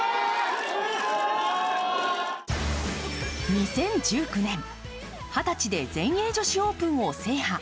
２０１９年、二十歳で全英女子オープンを制覇。